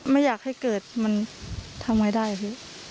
ไม่อยากให้เกิดมันทำไงได้พี่